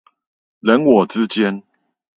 人我之間